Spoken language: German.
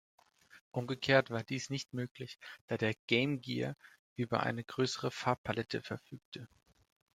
Umgekehrt war dies nicht möglich, da der Game Gear über eine größere Farbpalette verfügte.